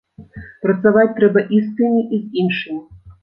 Працаваць трэба і з тымі, і з іншымі.